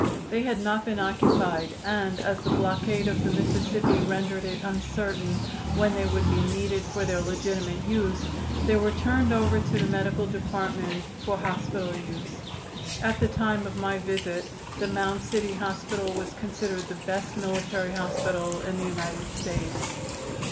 They had not been occupied, and as the blockade of the Mississippi rendered it uncertain when they would be needed for their legitimate use, they were turned over to the medical department for hospital use. At the time of my visit the Mound City hospital was considered the best military hospital in the United States.